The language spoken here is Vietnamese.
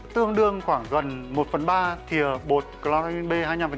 tương đương khoảng gần một phần ba thịa bột cloramine b hai mươi năm